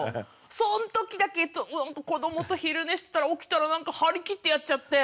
そん時だけ子どもと昼寝してたら起きたらなんか張り切ってやっちゃって。